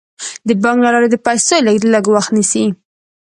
د بانک له لارې د پيسو لیږد لږ وخت نیسي.